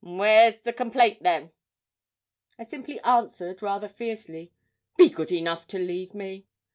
and where's the complaint then?' I simply answered, rather fiercely, 'Be good enough to leave me.'